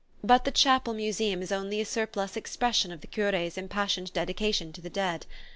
But the chapel museum is only a surplus expression of the cure's impassioned dedication to the dead.